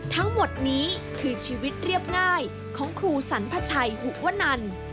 ทั้งหมดนี้คือชีวิตเรียบง่ายของครูสรรพชัยหุวนัน